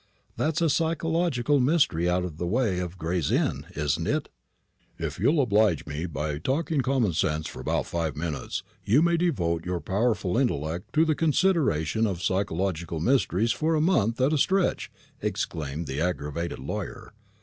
That's a psychological mystery out of the way of Gray's Inn, isn't it?" "If you'll oblige me by talking common sense for about five minutes, you may devote your powerful intellect to the consideration of psychological mysteries for a month at a stretch," exclaimed the aggravated lawyer.